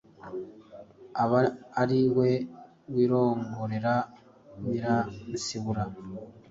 aba ari we wirongorera Nyiransibura,